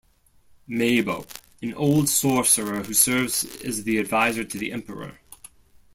Mabo - An old sorcerer who serves as the advisor to the emperor.